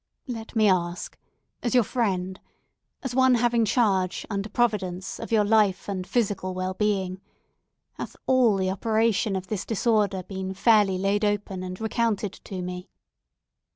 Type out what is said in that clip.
Let me ask as your friend, as one having charge, under Providence, of your life and physical well being, hath all the operation of this disorder been fairly laid open and recounted to me?"